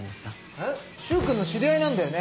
えっ柊君の知り合いなんだよね？